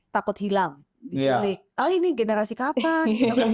takut hilang diculik oh ini generasi kapan